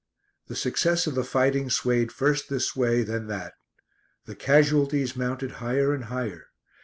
The success of the fighting swayed first this way, then that. The casualties mounted higher and higher.